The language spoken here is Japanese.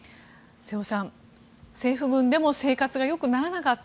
瀬尾さん、政府軍でも生活が良くならなかった。